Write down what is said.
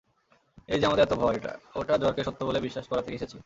এই যে আমাদের এত ভয়, ওটা জড়কে সত্য বলে বিশ্বাস করা থেকে এসেছে।